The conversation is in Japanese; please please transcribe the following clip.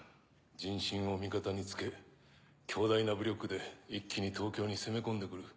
人心を味方につけ強大な武力で一気に東京に攻め込んで来る。